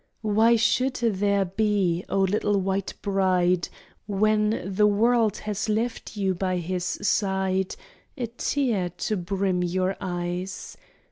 Why should there be, O little white bride, When the world has left you by his side, A tear to brim your eyes?